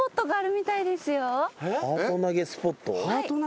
ハート投げスポット？